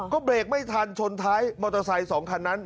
ก็เบรกไม่ทันชนท้ายมอเตอร์ไซค์๒คันนั้น